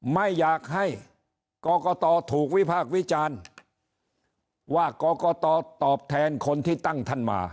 ไม่อยากให้กรกตถูกวิพากษ์วิจารณ์ว่ากรกตตอบแทนคนที่ตั้งท่านมา